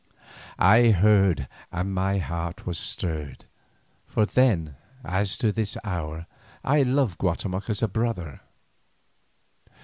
I heard and my heart was stirred, for then, as to this hour, I loved Guatemoc as a brother.